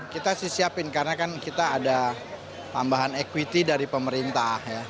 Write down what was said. kita sih siapin karena kan kita ada tambahan equity dari pemerintah